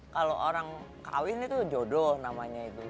kalau orang kawin itu jodoh namanya itu